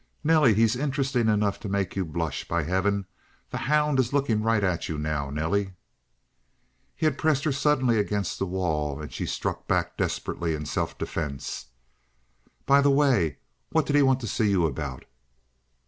"Nelly, he's interesting enough to make you blush; by heaven, the hound is lookin' right at you now, Nelly!" He had pressed her suddenly against the wall and she struck back desperately in self defense. "By the way, what did he want to see you about?"